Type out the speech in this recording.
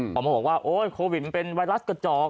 พอมาบอกว่าโอ๊ยโควิดมันเป็นไวรัสกระจอก